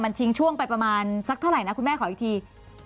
ทิ้งช่วงไปประมาณสักเท่าไหร่นะคุณแม่ขออีกที